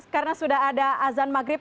karena sudah ada azan maghrib